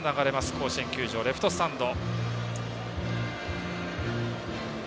甲子園球場、レフトスタンド。